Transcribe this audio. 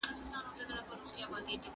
خپل وجدان ته باید ځواب ورکوونکي اوسو.